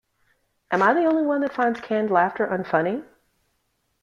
Am I the only one that finds canned laughter unfunny?